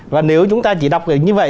và nếu chúng ta chỉ đọc như vậy